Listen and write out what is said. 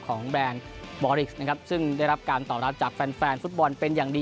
แบรนด์บอริกส์นะครับซึ่งได้รับการตอบรับจากแฟนแฟนฟุตบอลเป็นอย่างดี